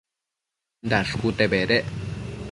Dashcute bedec